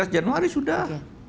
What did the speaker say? tujuh belas januari sudah